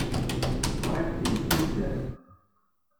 Ẓriɣ-t yettazzal.